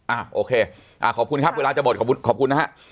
โอเคอ่าขอบคุณครับเวลาจะหมดขอบคุณนะฮะ